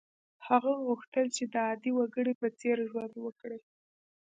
هغه غوښتل چې د عادي وګړي په څېر ژوند وکړي.